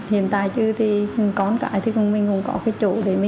hiện tại chứ thì con cái thì mình không có cái chủ